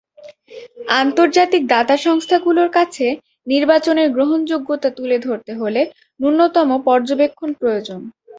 আন্তর্জাতিক দাতা সংস্থাগুলোর কাছে নির্বাচনের গ্রহণযোগ্যতা তুলে ধরতে হলে ন্যূনতম পর্যবেক্ষণ প্রয়োজন।